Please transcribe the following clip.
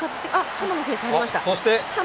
浜野選手入りました。